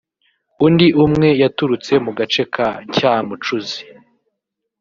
undi umwe yaturutse mu gace ka Cyamucuzi